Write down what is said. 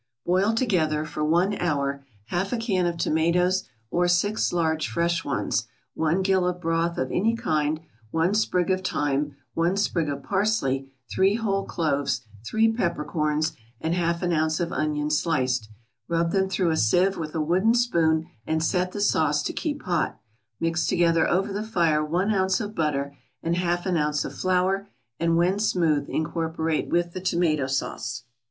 = Boil together, for one hour, half a can of tomatoes, or six large, fresh ones, one gill of broth of any kind, one sprig of thyme, one sprig of parsley, three whole cloves, three peppercorns, and half an ounce of onion sliced; rub them through a sieve with a wooden spoon, and set the sauce to keep hot; mix together over the fire one ounce of butter, and half an ounce of flour, and when smooth, incorporate with the tomato sauce.